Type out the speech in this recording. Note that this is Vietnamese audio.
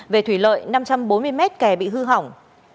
về thủy lợi năm trăm bốn mươi mét kè bị hư hỏng